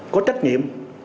có trách nhiệm